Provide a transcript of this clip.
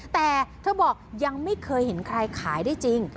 แต่เธอบอกยังไม่เคยเห็นใครขายได้จริง